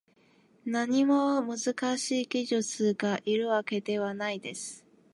何も難しい技術がいるわけではないです